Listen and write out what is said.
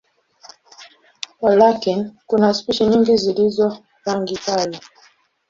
Walakini, kuna spishi nyingi zilizo rangi kali.